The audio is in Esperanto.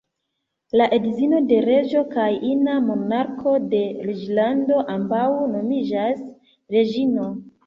La edzino de reĝo, kaj ina monarko de reĝlando, ambaŭ nomiĝas "reĝino".